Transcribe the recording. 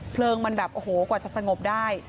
เพลิงมันแบบโอ้โหกว่าจะสงบได้